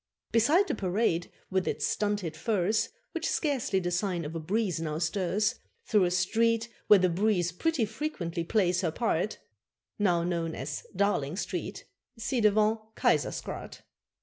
Beside the parade, with its stunted firs, Which scarcely the sign of a breeze now stirs, Through a street where the breeze pretty frequently plays her part, Now known as Darling Street ci devant Keizersgracht.